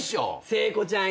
聖子ちゃん